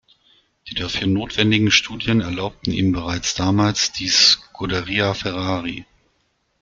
Die dafür notwendigen Studien erlaubte ihm bereits damals die Scuderia Ferrari.